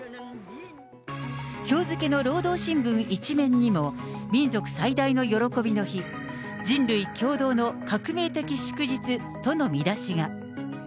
きょう付けの労働新聞１面にも、民族最大の喜びの日、人類共同の革命的祝日との見出しが。